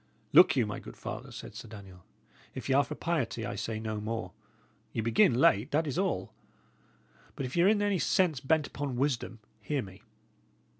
"Look you, my good father," said Sir Daniel, "if y' are for piety, I say no more; ye begin late, that is all. But if y' are in any sense bent upon wisdom, hear me.